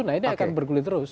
nah ini akan bergulir terus